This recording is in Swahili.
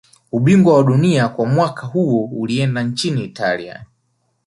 Ubingwa wa dunia kwa mwaka huo ulienda nchini italia